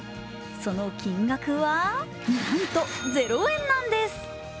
その金額はなんと０円なんです。